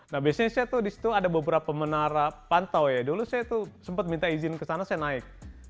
nah biasanya saya tuh di situ ada beberapa menara pantau ya dulu saya tuh sempat minta izin ke sana saya naik